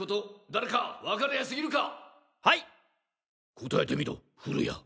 答えてみろ降谷。